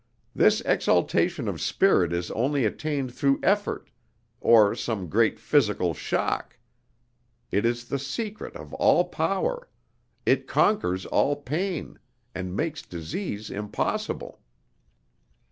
This exaltation of spirit is only attained through effort, or some great physical shock. It is the secret of all power; it conquers all pain, and makes disease impossible."